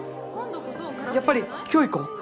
やっぱり今日行こう。